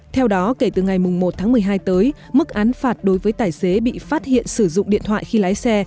theo đó kể từ ngày một tháng một mươi hai tới mức án phạt đối với tài xế bị phát hiện sử dụng điện thoại khi lái xe